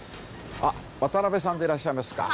あっ渡辺さんでいらっしゃいますか？